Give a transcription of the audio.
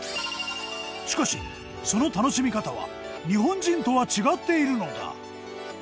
しかしその楽しみ方は日本人とは違っているのだ。